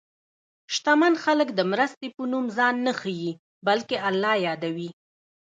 شتمن خلک د مرستې په نوم ځان نه ښيي، بلکې الله یادوي.